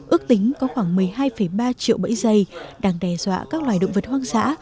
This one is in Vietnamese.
ước tính có khoảng một mươi hai ba triệu bẫy dây đang đe dọa các loài động vật hoang dã